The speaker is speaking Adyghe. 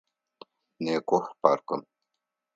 Некӏох паркым!